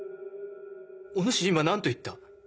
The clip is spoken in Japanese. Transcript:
お主今何と言った？